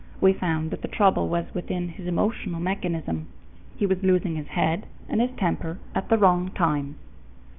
We found that the trouble was within his emotional mechanism. He was losing his head and his temper at the wrong times.